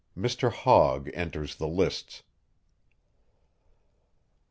MR. HOGG ENTERS THE LISTS.